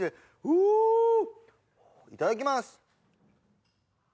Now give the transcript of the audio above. フゥいただきます！